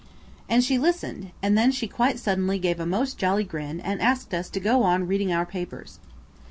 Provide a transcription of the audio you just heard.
And she listened, and then she quite suddenly gave a most jolly grin and asked us to go on reading our papers.